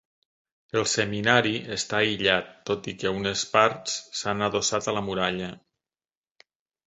El Seminari està aïllat tot i que unes parts s'han adossat a la muralla.